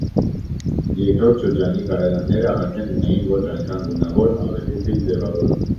Երկրորդ շրջանի կայարանները արդեն ունեին ոչ այնքան գունավոր, ավելի խիստ ձևավորում։